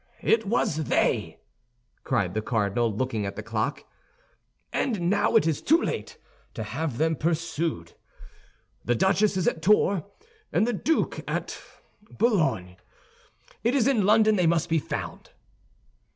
"It was they!" cried the cardinal, looking at the clock; "and now it is too late to have them pursued. The duchess is at Tours, and the duke at Boulogne. It is in London they must be found."